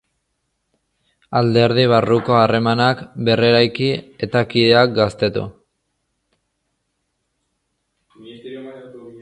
Alderdi barruko harremanak berreraiki, eta kideak gaztetu.